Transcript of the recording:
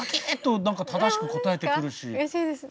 うれしいです。